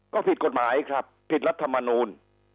ก็ผิดกฎหมายครับผิดรัฐมนูล